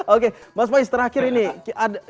oke mas faiz terakhir ini